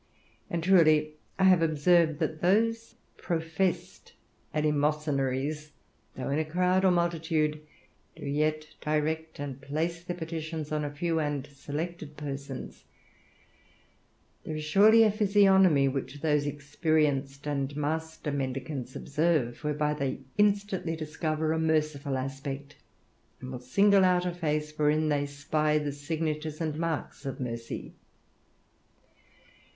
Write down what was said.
And truly I have observed that those professed eleemosynaries, though in a crowd or multitude, do yet direct and place their petitions on a few and selected persons: there is surely a physiognomy which those experienced and master mendicants observe, whereby they instantly discover a merciful aspect, and will single out a face wherein they spy the signatures and marks of mercy.